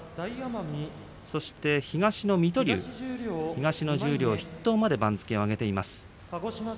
東の水戸龍、東の十両筆頭まで番付を上げています。